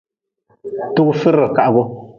Tugfidrekahgu.